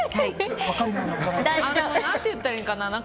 何て言ったらいいんかな。